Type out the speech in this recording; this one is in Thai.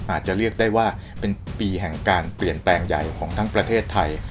อาจจะเรียกได้ว่าเป็นปีแห่งการเปลี่ยนแปลงใหญ่ของทั้งประเทศไทย